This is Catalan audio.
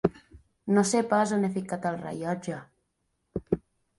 No sé pas on he ficat el rellotge.